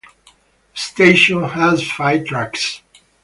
The station has five tracks.